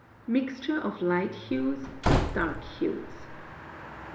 +Mixture of light hues with dark hues.